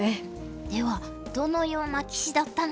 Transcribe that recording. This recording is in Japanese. ではどのような棋士だったのか。